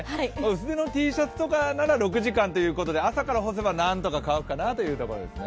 薄手のＴシャツとかなら６時間ということで朝から干せば、何とか乾くかなというところですね。